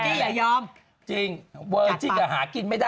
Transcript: เพราะหนูจะเวอร์จิ้นตลอดไป